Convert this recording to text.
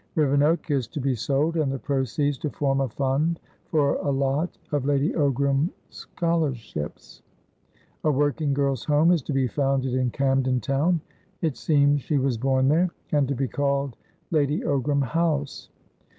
Rivenoak is to be sold, and the proceeds to form a fund for a lot of Lady Ogram Scholarships. A working girl's home is to be founded in Camden Town (it seems she was born there), and to be called Lady Ogram House.